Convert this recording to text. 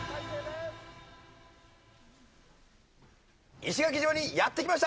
石垣島にやって来ました。